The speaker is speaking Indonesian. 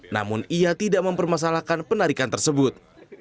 namun ia tidak mempermasalahkan penarikan tersebut